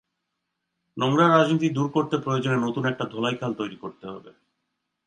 নোংরা রাজনীতি দূর করতে প্রয়োজনে নতুন একটা ধোলাই খাল তৈরি করতে হবে।